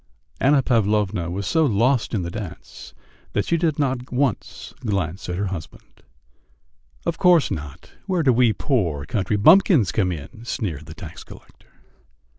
Anna Pavlovna was so lost in the dance that she did not once glance at her husband. "Of course not! Where do we poor country bumpkins come in!" sneered the tax collector.